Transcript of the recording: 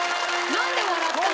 なんで笑ったの？